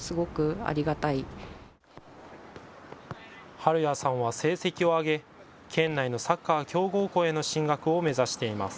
晴哉さんは成績を上げ県内のサッカー強豪校への進学を目指しています。